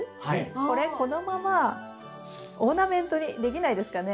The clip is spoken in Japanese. これこのままオーナメントにできないですかね？